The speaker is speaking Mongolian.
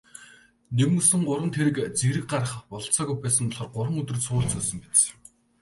Нэгмөсөн гурван тэрэг зэрэг гаргах бололцоогүй байсан болохоор гурван өдөр цувуулж зөөсөн биз.